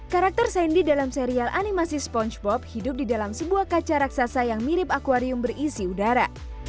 karakter sandy dalam serial animasi spongebob hidup di dalam sebuah kaca raksasa yang mirip akwarium berisi udara